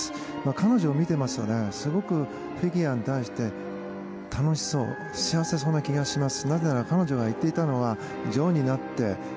彼女を見ていますとすごくフィギュアに対して楽しそう幸せそうな気がします。